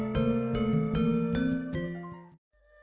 dan juga seberat nama kerajaan